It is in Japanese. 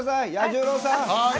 彌十郎さん！